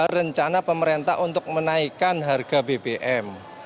rencana pemerintah untuk menaikkan harga bbm